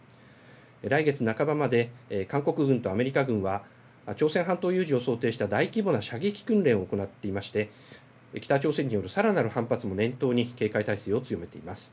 来月半ばまで韓国軍とアメリカ軍は朝鮮半島有事を想定した大規模な射撃訓練を行っていまして北朝鮮によるさらなる反発も念頭に警戒態勢を強めています。